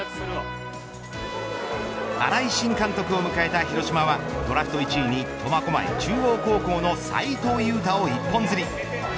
新井新監督を迎えた広島はドラフト１位に苫小牧中央高校の斉藤優汰を一本釣り。